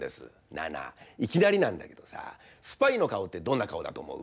「なあなあいきなりなんだけどさスパイのかおってどんなかおだとおもう？」。